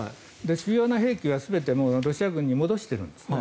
主要な兵器は全てロシア軍に戻してるんですね。